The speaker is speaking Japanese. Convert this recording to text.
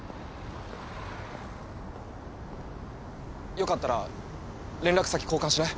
よかったら連絡先交換しない？